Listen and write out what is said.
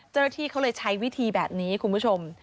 เจรติเขาเลยใช้วิธีแบบนี้คุณผู้ชม